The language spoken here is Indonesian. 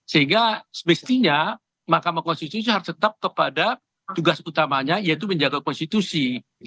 sehingga semestinya mahkamah konstitusi harus tetap kepada tugas utamanya yaitu menjaga konstitusi